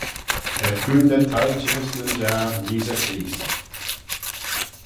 Er coontey toilçhynys nyn Jiarn Yeesey Chreest.